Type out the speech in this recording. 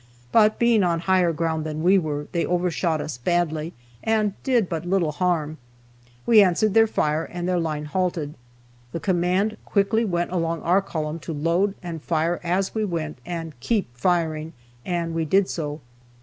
But, being on higher ground than we were, they overshot us badly, and did but little harm. We answered their fire, and their line halted. The command quickly went along our column to load and fire as we went, and "keep firing!" and we did so.